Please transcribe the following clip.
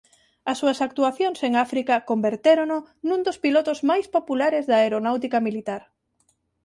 As súas actuacións en África convertérono nun dos pilotos máis populares da Aeronáutica militar.